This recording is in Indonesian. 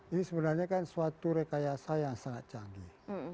ini sebenarnya kan suatu rekayasa yang sangat canggih